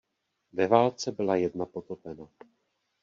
Ve válce byla jedna potopena.